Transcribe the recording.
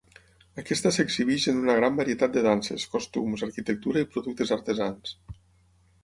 Aquesta s'exhibeix en una gran varietat de danses, costums, arquitectura i productes artesans.